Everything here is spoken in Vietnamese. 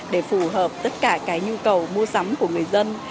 để phù hợp tất cả cái nhu cầu mua sắm của người dân